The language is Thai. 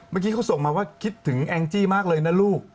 เมื่อกี้เขาส่งมาว่าคิดถึงแองจี้มากเลยนะลูก